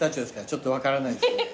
ちょっと分からないですね。